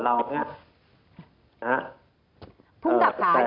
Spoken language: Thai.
แล้วก็ในส่วนเราเนี่ย